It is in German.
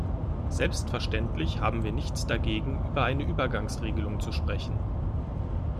Selbstverständlich haben wir nichts dagegen, über eine Übergangsregelung zu sprechen.